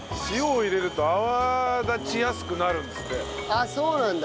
あっそうなんだ。